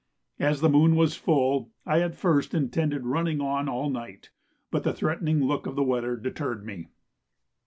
As the moon was full, I at first intended running on all night, but the threatening look of the weather deterred me.